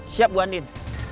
siap bu andin